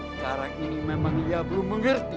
sekarang ini memang dia belum mengerti